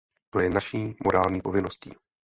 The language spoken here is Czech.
To je naší morální povinností.